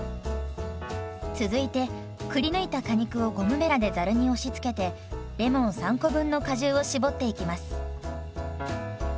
続いてくりぬいた果肉をゴムべらでざるに押しつけてレモン３個分の果汁を搾っていきます。